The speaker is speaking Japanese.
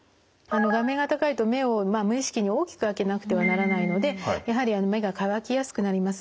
画面が高いと目を無意識に大きく開けなくてはならないのでやはり目が乾きやすくなります。